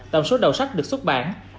tổng số đầu sách được xuất bản